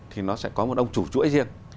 thì nó sẽ có một ông chủ chuỗi riêng